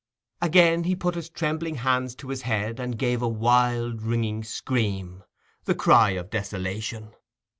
Again he put his trembling hands to his head, and gave a wild ringing scream, the cry of desolation.